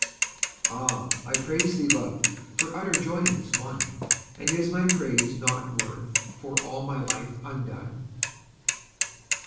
Ah! I praise thee, Love, for utter joyance won! "And is my praise nought worth for all my life undone?"